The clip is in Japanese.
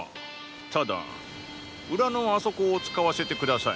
ただ裏のあそこを使わせて下さい。